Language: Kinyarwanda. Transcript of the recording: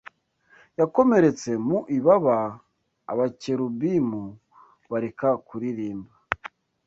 yakomeretse mu ibaba, Abakerubimu bareka kuririmba